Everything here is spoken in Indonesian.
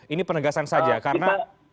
ini penegasan saja karena